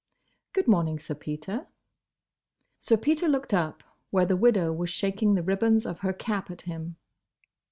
"Good morning, Sir Peter!" Sir Peter looked up, where the widow was shaking the ribbons of her cap at him.